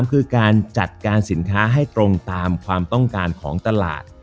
คือการจัดการสินค้าให้ตรงตามความต้องการของตลาด